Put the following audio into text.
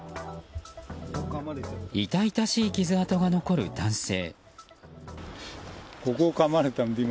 痛々しい傷跡が残る男性。